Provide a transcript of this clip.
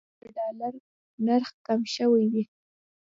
که د ډالر نرخ کم شوی وي.